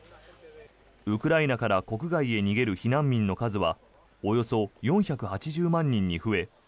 ウクライナから国外へ逃げる避難民の数はおよそ４８０万人に増え